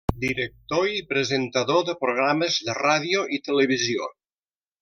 Director i presentador de programes de ràdio i televisió.